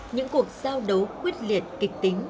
những cuộc giao đấu quyết liệt kịch tính